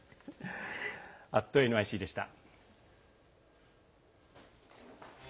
「＠ｎｙｃ」でした。